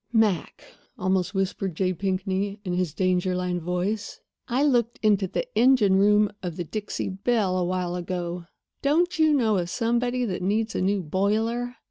"Mac," almost whispered J. Pinkney, in his danger line voice, "I looked into the engine room of the Dixie Belle a while ago. Don't you know of somebody that needs a new boiler?